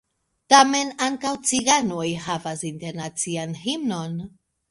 Tamen ankaŭ ciganoj havas internacian himnon.